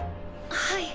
はい。